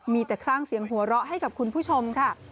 มีแต่สร้างเสียงหัวเราะให้กับคุณผู้ชมค่ะ